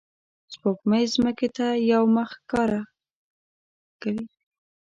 سپوږمۍ ځمکې ته یوه مخ ښکاره کوي